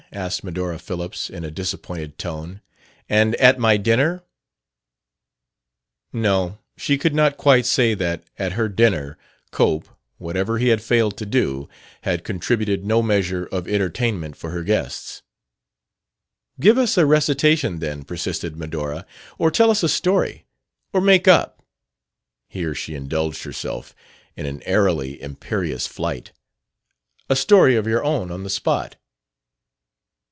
asked Medora Phillips, in a disappointed tone. "And at my dinner " No, she could not quite say that, at her dinner, Cope, whatever he had failed to do, had contributed no measure of entertainment for her guests. "Give us a recitation, then," persisted Medora; "or tell us a story. Or make up" here she indulged herself in an airily imperious flight "a story of your own on the spot."